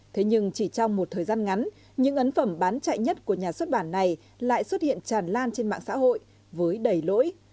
thế nhưng chỉ trong một thời gian ngắn những ấn phẩm bán chạy nhất của nhà xuất bản này lại xuất hiện tràn lan trên mạng xã hội với đầy lỗi